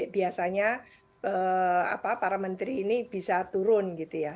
biasanya para menteri ini bisa turun gitu ya